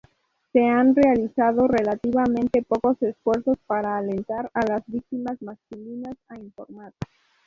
Se han realizado relativamente pocos esfuerzos para alentar a las víctimas masculinas a informar.